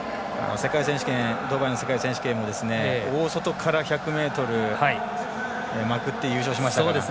ドバイの世界選手権でも大外から１００ｍまくって優勝しました。